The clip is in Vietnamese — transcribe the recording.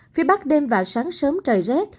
phía bắc đêm và sáng sớm trời rết